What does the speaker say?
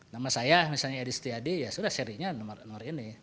nama saya misalnya edi setiadi ya sudah serinya nomor nomor ini